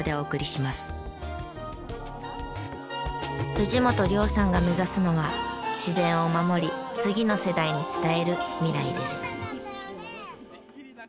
藤本嶺さんが目指すのは自然を守り次の世代に伝える未来です。